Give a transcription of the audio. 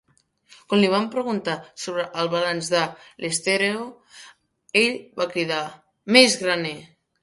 Quan li van preguntar sobre el balanç de l'estèreo, ell va cridar: més graner.